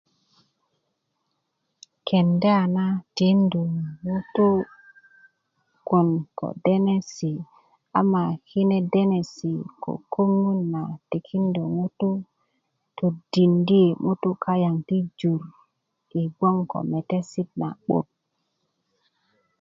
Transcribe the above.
kenda na tindu ŋutu' gwon ko denesi ama kine denesi ko köŋön tikindu ŋutu' todindö ŋutu kayaŋ i jur i bgwöŋ ko metesi na'but